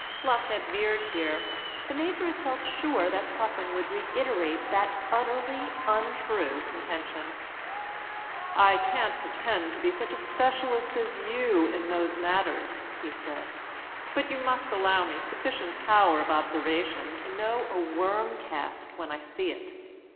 Luck had veered here: the Major had felt sure that Puffin would reiterate that utterly untrue contention. "I can't pretend to be such a specialist as you in those matters," he said, "but you must allow me sufficient power of observation to know a worm cast when I see it.